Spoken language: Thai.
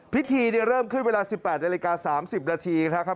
พิธีเริ่มขึ้นเวลา๑๘นาฬิกา๓๐นาทีนะครับ